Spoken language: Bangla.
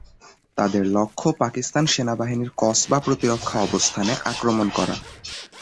তাঁদের লক্ষ্য পাকিস্তান সেনাবাহিনীর কসবা প্রতিরক্ষা অবস্থানে আক্রমণ করা।